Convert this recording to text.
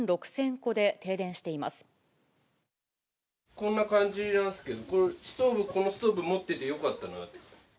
こんな感じなんですけど、これ、ストーブ、このストーブ持っててよかったなと。